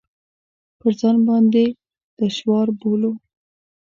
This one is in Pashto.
پر ځان باندې دشوار بولو.